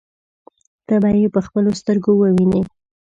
ته به يې په خپلو سترګو ووینې.